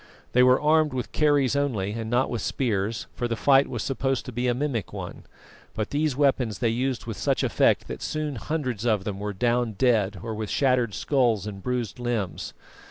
They were armed with kerries only, and not with spears, for the fight was supposed to be a mimic one; but these weapons they used with such effect that soon hundreds of them were down dead or with shattered skulls and bruised limbs.